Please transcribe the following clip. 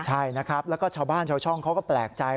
ใช่นะครับแล้วก็ชาวบ้านชาวช่องเขาก็แปลกใจ